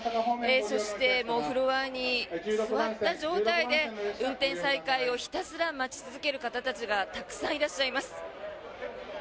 そして、フロアに座った状態で運転再開をひたすら待ち続ける方たちがたくさんいらっしゃいます。